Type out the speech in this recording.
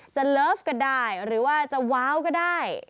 เลิฟก็ได้หรือว่าจะว้าวก็ได้